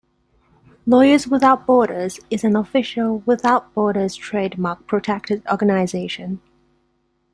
Lawyers Without Borders is an official "Without Borders" trademark protected organization.